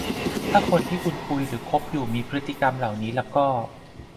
ถ้าคนที่คุณคุยหรือคบอยู่มีพฤติกรรมเหล่านี้ละก็